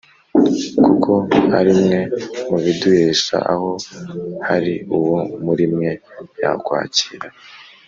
kuko ari mwe mubiduhesha Aho hari uwo muri mwe yakwakira?